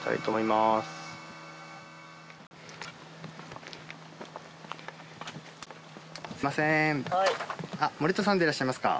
すみません。